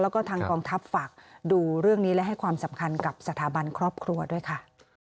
แล้วก็ทางกองทัพฝากดูเรื่องนี้และให้ความสำคัญกับสถาบันครอบครัวด้วยค่ะ